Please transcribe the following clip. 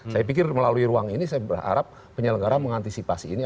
saya pikir melalui ruang ini saya berharap penyelenggara mengantisipasi ini